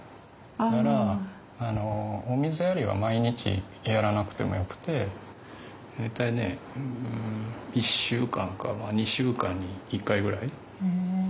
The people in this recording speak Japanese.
だからお水やりは毎日やらなくてもよくて大体ね１週間かまあ２週間に１回ぐらい。